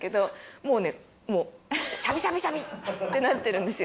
もうねもうシャビシャビシャビッてなってるんですよ